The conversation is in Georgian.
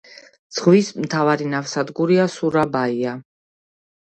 ზღვის მთავარი ნავსადგურია სურაბაია.